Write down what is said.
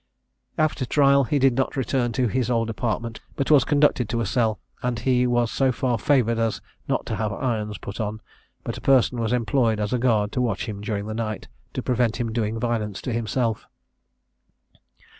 After trial he did not return to his old apartment, but was conducted to a cell; and he was so far favoured as not to have irons put on, but a person was employed as a guard to watch him during the night to prevent him doing violence to himself.